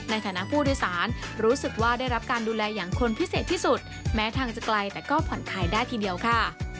ในฐานะผู้โดยสารรู้สึกว่าได้รับการดูแลอย่างคนพิเศษที่สุดแม้ทางจะไกลแต่ก็ผ่อนคลายได้ทีเดียวค่ะ